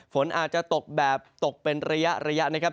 ฝนอาจจะตกแบบตกเป็นระยะนะครับ